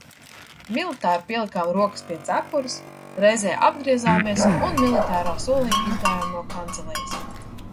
Militāri pielikām rokas pie cepures, reizē apgriezāmies un militārā solī izgājām no kancelejas.